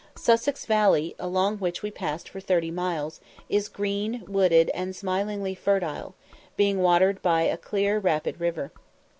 Sussex Valley, along which we passed for thirty miles, is green, wooded, and smilingly fertile, being watered by a clear rapid river.